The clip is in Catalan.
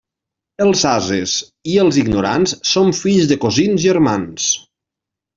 Els ases i els ignorants són fills de cosins germans.